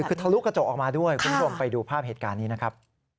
คือทะลุกระจกออกมาด้วยคุณผู้ชมไปดูภาพเหตุการณ์นี้นะครับ